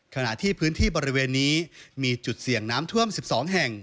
ขณะที่พื้นที่บริเวณนี้มีจุดเสี่ยงน้ำท่วม๑๒แห่ง